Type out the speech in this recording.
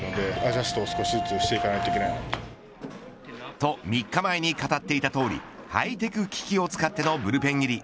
と、３日前に語っていたとおりハイテク機器を使ってのブルペン入り。